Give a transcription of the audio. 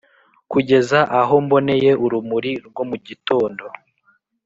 kugeza aho mboneye urumuri rwo mu gitondo,